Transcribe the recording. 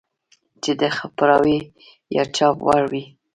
چې د خپراوي يا چاپ وړ وي.